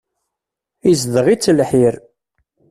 Izeddeɣ-itt lḥir.